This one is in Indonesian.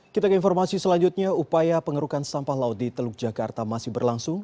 kita ke informasi selanjutnya upaya pengerukan sampah laut di teluk jakarta masih berlangsung